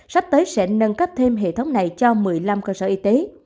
sắp tới sẽ nâng cấp thêm hệ thống này cho một mươi năm cơ sở y tế